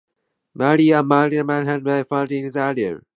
Marie-Marguerite had died fourteen years earlier.